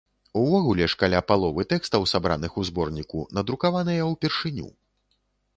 Увогуле ж каля паловы тэкстаў, сабраных у зборніку, надрукаваныя ўпершыню.